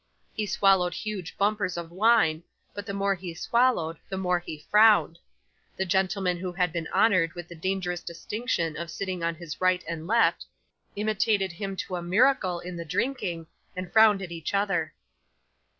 He swallowed huge bumpers of wine, but the more he swallowed, the more he frowned. The gentlemen who had been honoured with the dangerous distinction of sitting on his right and left, imitated him to a miracle in the drinking, and frowned at each other.